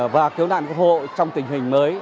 và cứu nạn quốc hộ trong tình hình mới